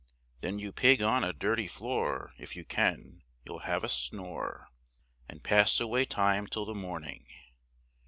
Then you pig on a dirty floor, if you can, you'll have a snore, And pass away time till the morning.